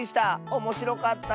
おもしろかった。